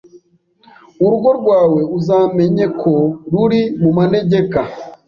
urugo rwawe uzamenye ko ruri mu manegeka